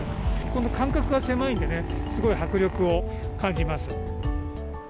この間隔が狭いんでね、すごい迫力を感じます。